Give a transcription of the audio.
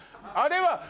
あれは。